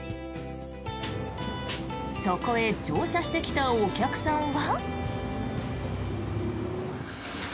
そこへ乗車してきたお客さんは。